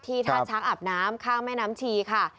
ท่าช้างอาบน้ำข้างแม่น้ำชีค่ะ